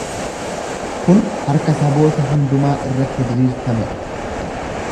Kun harka saboota hundumaa irratti diriirfame dha.